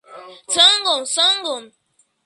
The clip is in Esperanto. Sangon, sangon.